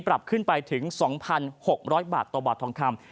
ปรับขึ้นไปถึง๒๖๐๐บาทต่อบาททองคำ